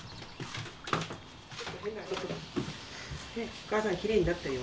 お母さんきれいになったよ。